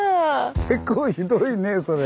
結構ひどいねそれ。